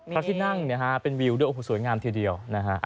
พระที่นั่งเนี่ยฮะเป็นวิวด้วยโอ้โหสวยงามทีเดียวนะฮะ